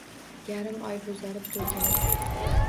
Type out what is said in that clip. Yarim oy boʼzarib toʼlganin.